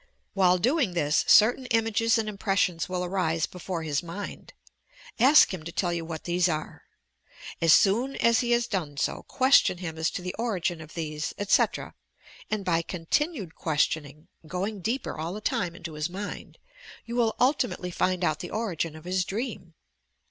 While doing this certain DREAMS 135 images and impressions will arise before his mind. Ask him to tell you what these are. As soon as lie has done BO, question hira as to the origin of these, etc., and, by continued questioning {going deeper all the time into his miLd) you will ultimately find out the origin of his dream.